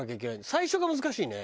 最初が難しいね。